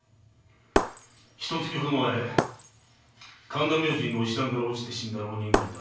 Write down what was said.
ひと月前神田明神の石段から落ちて死んだ浪人がいた。